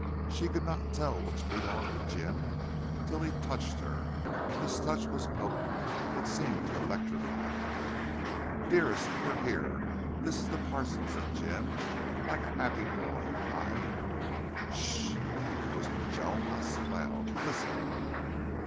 She could not tell which belonged to Jim till he touched her. His touch was potent. It seemed to electrify her. "Dearest, we're here this is the parson," said Jim, like a happy boy. "I " "Ssssh!" whispered Joan. "Not so loud.... Listen!"